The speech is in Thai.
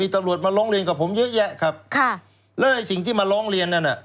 ตำรวจมาร้องเรียนกับผมเยอะแยะครับค่ะแล้วไอ้สิ่งที่มาร้องเรียนนั่นน่ะ